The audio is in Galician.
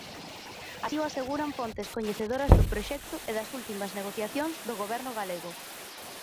Así o aseguran fontes coñecedoras do proxecto e das últimas negociacións do Goberno galego.